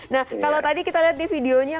nah kalau tadi kita lihat di videonya